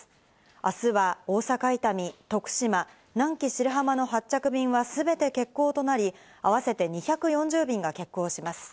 あすは大阪・伊丹、徳島、南紀白浜の発着便は全て欠航となり、合わせて２４０便が欠航します。